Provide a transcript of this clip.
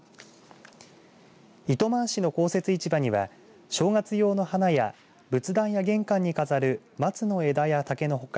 糸満市の公設市場には正月用の花や仏壇や玄関に飾る松の枝や竹のほか